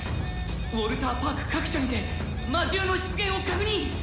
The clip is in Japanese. ウォルターパーク各所にて魔獣の出現を確認！